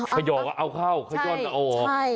ขยอกเอาเข้าขย่อนเอาออก